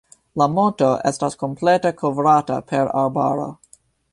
La monto estas komplete kovrata per arbaro.